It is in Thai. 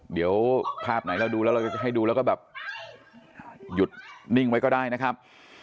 เดี๋ยวภาพไหนเราดูแล้วเราจะให้ดูแล้วก็แบบหยุดนิ่งไว้ก็ได้นะครับ